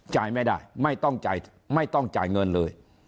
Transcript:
จ่ายไม่ได้ไม่ต้องจ่ายเงินเลย